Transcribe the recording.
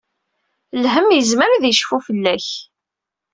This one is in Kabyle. Lhem yezmer ad yecfu fell-ak.